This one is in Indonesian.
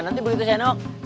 nanti begitu saya nunggu